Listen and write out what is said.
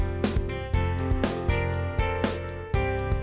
aduh aduh aduh aduh